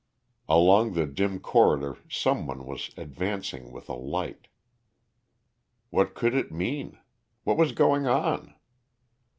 Along the dim corridor some one was advancing with a light. What could it mean? What was going on?